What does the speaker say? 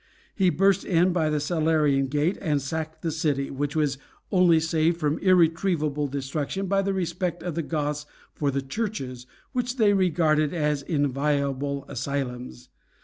He burst in by the Salarian gate, and sacked the city, which was only saved from irretrievable destruction by the respect of the Goths for the churches, which they regarded as inviolable asylums.